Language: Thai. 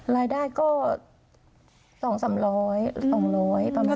รายได้ก็สองสามร้อยสองร้อยประมาณนี้